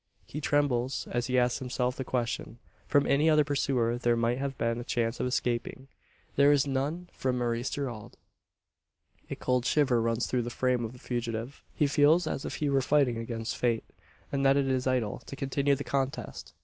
He trembles as he asks himself the question. From any other pursuer there might have been a chance of escaping. There is none from Maurice Gerald! A cold shiver runs through the frame of the fugitive. He feels as if he were fighting against Fate; and that it is idle to continue the contest!